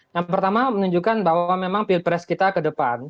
yang pertama menunjukkan bahwa memang pilpres kita ke depan